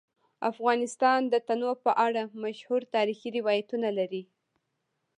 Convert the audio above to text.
افغانستان د تنوع په اړه مشهور تاریخی روایتونه لري.